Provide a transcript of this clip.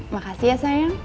makasih ya sayang